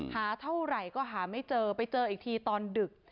หาเท่าไหร่ก็หาไม่เจอไปเจออีกทีตอนดึก